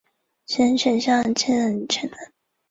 十项全能七项全能